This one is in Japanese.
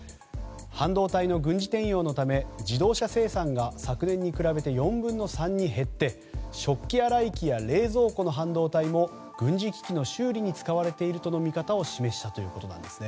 半導体の軍事転用のため自動車生産が昨年に比べ４分の３に減って食器洗い機や冷蔵庫の半導体も軍事機器の修理に使われているとの見方を示したということです。